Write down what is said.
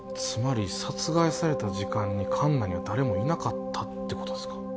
つまり殺害された時間に館内には誰もいなかったってことですか？